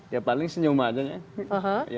ya paling senyum aja ya